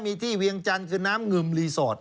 มีที่เวียงจันทร์คือน้ำเงิบรีโสต